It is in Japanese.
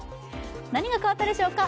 何が変わったでしょうか？